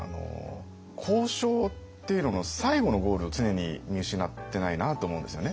交渉っていうのの最後のゴールを常に見失ってないなと思うんですよね。